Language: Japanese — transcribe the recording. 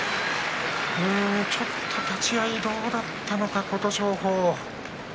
ちょっと立ち合いどうだったのか琴勝峰。